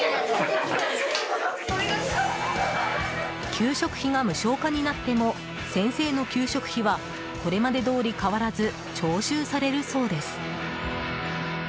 給食費が無償化になっても先生の給食費はこれまでどおり変わらず徴収されるそうです。